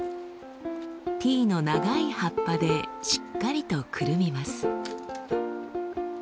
ティーの長い葉っぱでしっかりとくるみます。